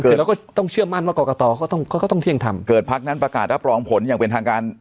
คือเราก็ต้องเชื่อมั่นว่ากรกตก็ต้องก็ต้องเที่ยงทำเกิดพักนั้นประกาศรับรองผลอย่างเป็นทางการ